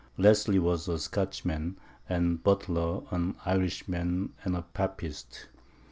Leslie was a Scotchman, and Buttler an Irishman and a papist.